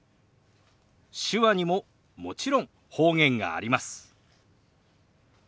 手話にももちろん方言があります。